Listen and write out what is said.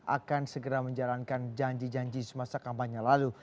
akan segera menjalankan janji janji semasa kampanye lalu